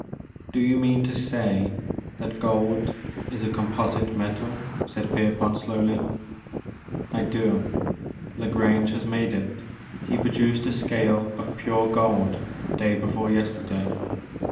*''' Do you mean to say that gold is a composite metal ?*' said Pierpont slowly. '' I do. La Grange has made it. He produced a scale of pure gold day before yesterday.